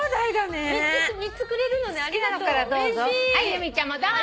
由美ちゃんもどうぞ。